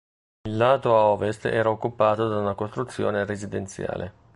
Il lato a ovest era occupato da una costruzione residenziale.